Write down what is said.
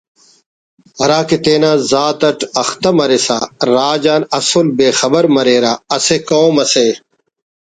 ہراکہ تینا ذات اٹ اختہ مرسا راج آن اسل بے خبر مریرہ اسہ قوم اسے